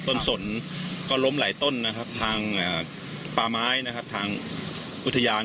สนก็ล้มหลายต้นนะครับทางป่าไม้นะครับทางอุทยาน